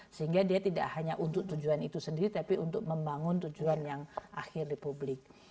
sehingga dia tidak hanya untuk tujuan itu sendiri tapi untuk membangun tujuan yang akhir republik